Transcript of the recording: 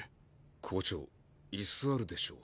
校長椅子あるでしょう。